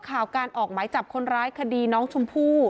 ข่าวการออกหมายจับคนร้ายคดีน้องชมพู่